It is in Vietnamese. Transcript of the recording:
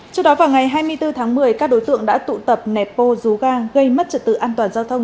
trước đó vào ngày hai mươi bốn tháng một mươi các đối tượng đã tụ tập nẹp bô rú ga gây mất trật tự an toàn giao thông